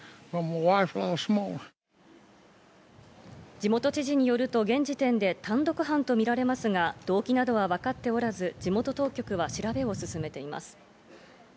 地元知事によると、現時点では単独犯とみられますが、動機などは分かっておらず、地元当局は調べを進めています。